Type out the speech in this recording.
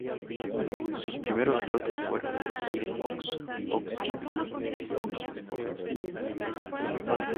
Sus primeros bloques fueron Cine Fox, Fox Kids y Fox Sports.